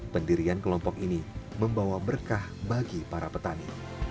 pendirian kelompok ini membawa berkah bagi para petani